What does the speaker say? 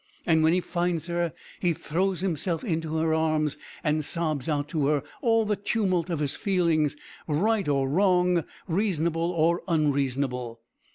And when he finds her he throws himself into her arms and sobs out to her all the tumult of his feelings, right or wrong, reasonable or unreasonable.